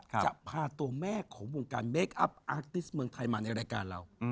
จะพาตัวแม่ของวงการเมคอัพอาร์ติสเมืองไทยมาในรายการเรา